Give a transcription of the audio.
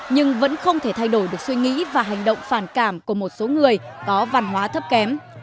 nhưng vẫn không thể thay đổi được suy nghĩ và hành động phản cảm của một số người có văn hóa thấp kém